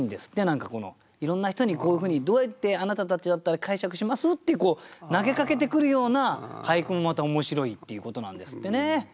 何かいろんな人にこういうふうに「どうやってあなたたちだったら解釈します？」っていう投げかけてくるような俳句もまた面白いっていうことなんですってね。